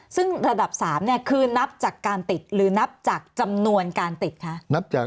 ซึ่งระดับ๓เนี่ยคือนับจากการติดหรือนับจากจำนวนการติดคะ